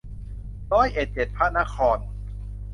ร้อยเอ็ดเจ็ดพระนคร